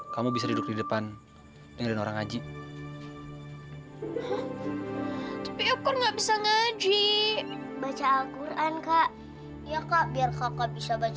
kalian mau ngapain sih ini